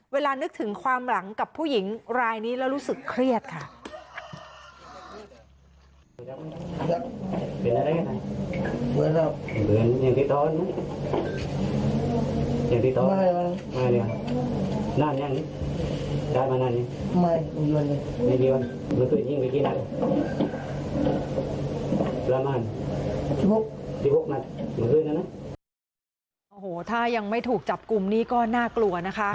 นึกถึงความหลังกับผู้หญิงรายนี้แล้วรู้สึกเครียดค่ะ